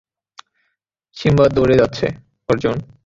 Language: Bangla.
সিম্বা দৌড়ে যাচ্ছে, অর্জুন!